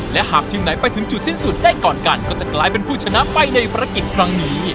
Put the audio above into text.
และหากทีมไหนไปถึงจุดสิ้นสุดได้ก่อนกันก็จะกลายเป็นผู้ชนะไปในภารกิจครั้งนี้